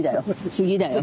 次だよ